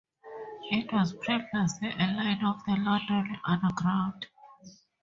It was previously a line of the London Underground.